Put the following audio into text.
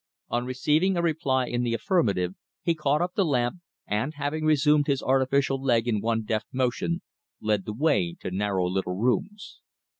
On receiving a reply in the affirmative, he caught up the lamp, and, having resumed his artificial leg in one deft motion, led the way to narrow little rooms.